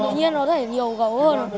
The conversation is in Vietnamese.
tự nhiên có thể nhiều gấu hơn